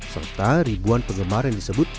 serta ribuan penggemar yang disebut